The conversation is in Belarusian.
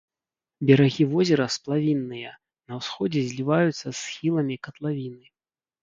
Берагі возера сплавінныя, на ўсходзе зліваюцца з схіламі катлавіны.